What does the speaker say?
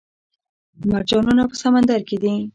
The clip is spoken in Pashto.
مرجانونه په سمندر کې دي